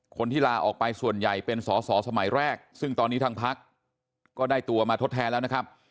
คนที่ลาออกไปส่วนใหญ่เป็นสอสอสมัยแรกซึ่งตอนนี้ทางพักก็ได้ตัวมาทดแทนแล้วนะครับ